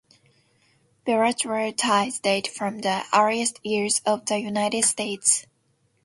Bilateral ties date from the earliest years of the United States.